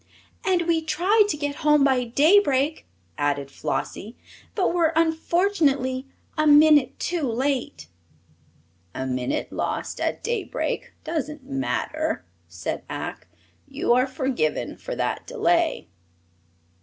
"And we tried to get home by daybreak," added Flossie, "but were unfortunately a minute too late." "A minute lost at daybreak doesn't matter," said Ak. "You are forgiven for that delay."